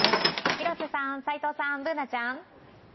広瀬さん、齋藤さん、Ｂｏｏｎａちゃん。